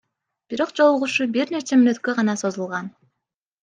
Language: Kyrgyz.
Бирок жолугушуу бир нече мүнөткө гана созулган.